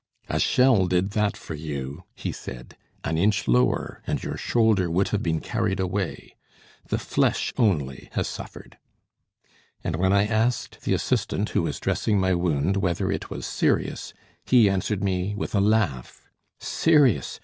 "A shell did that for you," he said; "an inch lower and your shoulder would have been carried away. The flesh, only, has suffered." And when I asked the assistant, who was dressing my wound, whether it was serious, he answered me with a laugh: "Serious!